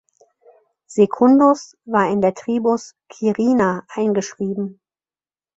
Secundus war in der Tribus "Quirina" eingeschrieben.